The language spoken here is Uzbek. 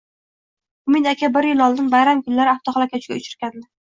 Umid aka bir yil oldin, bayram kunlari avtohalokatga uchragandi